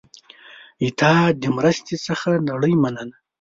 ستا د مرستې څخه نړۍ مننه